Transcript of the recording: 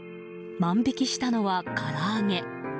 万引きしたのはから揚げ。